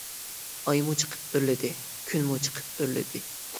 ئايمۇ چىقىپ ئۆرلىدى، كۈنمۇ چىقىپ ئۆرلىدى.